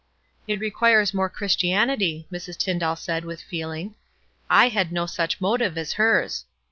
"It requires more Christianity," Mrs. Tyndall said, with feeling. "I had no such motive as hers.